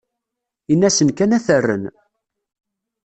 Ini-asen kan ad t-rren.